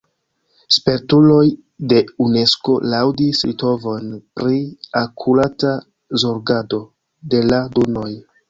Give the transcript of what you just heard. Spertuloj de Unesko laŭdis litovojn pri akurata zorgado de la dunoj.